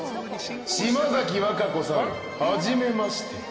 島崎和歌子さん、はじめまして。